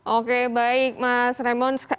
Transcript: oke baik mas raymond